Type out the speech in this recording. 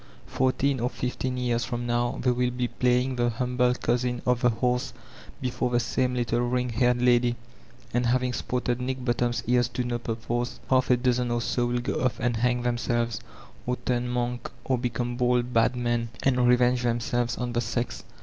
Fourteen or fifteen years from now they will be playing the humbk coosin of the horse before the same little ringed haired lady, and having sported Nick Bottom's ears to no purpose, half a dozen or so will go off and hang diemselves, or turn monk, or become ''bold, bad men,'* and revei^ Tkb Hkakt of Akgiolillo 421 themselves on the sex.